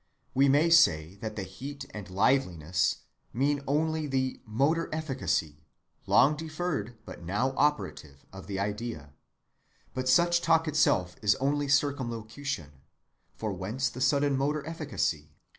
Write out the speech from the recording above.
We may say that the heat and liveliness mean only the "motor efficacy," long deferred but now operative, of the idea; but such talk itself is only circumlocution, for whence the sudden motor efficacy?